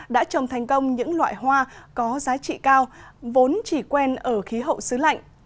đã trồng thành công những loại hoa có giá trị cao vốn chỉ quen ở khí hậu xứ lạnh